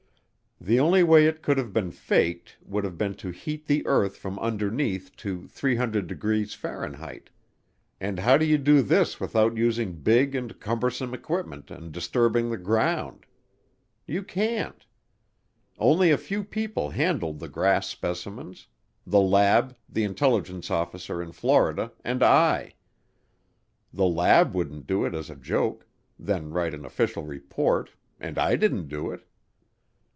The only way it could have been faked would have been to heat the earth from underneath to 300 degrees F., and how do you do this without using big and cumbersome equipment and disturbing the ground? You can't. Only a few people handled the grass specimens: the lab, the intelligence officer in Florida, and I. The lab wouldn't do it as a joke, then write an official report, and I didn't do it.